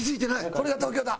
これが東京だ。